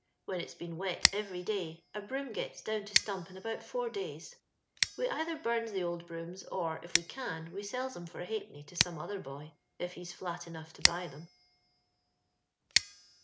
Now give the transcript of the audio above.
When it's heen wet every day, a hroom gets down to stnmp in about four days. We either bums the old brooms, or, if we can, we sells 'em for a ha'penny to some other boy, if he's flat enough to buy 'em.'